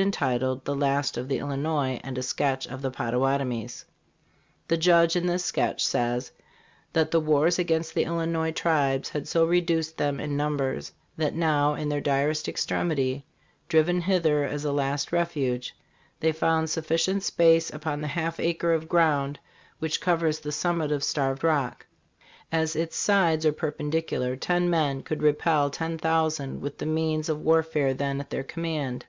entitled, "The Last of the Illinois, and a Sketch of the Potta watomies " The Judge in this sketch says that the wars against the Illinois tribes had so reduced them in numbers that now, in their direst extremity, driven hither as a last refuge, " they found sufficient space upon the half acre of ground which covers the summit of Starved Rock. As its sides are per pendicular, ten men could repel ten thousand with the means of warfare then at their command.